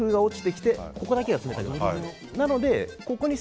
冷風が落ちてきて足元だけが冷たくなる。